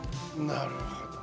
なるほど。